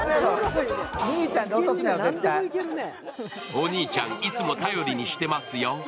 お兄ちゃん、いつも頼りにしてますよ。